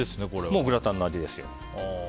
もうグラタンの味ですよ。